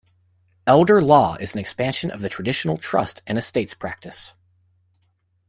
Elder law is an expansion of the traditional trust and estates practice.